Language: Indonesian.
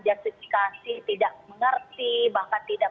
justifikasi tidak mengerti bahkan tidak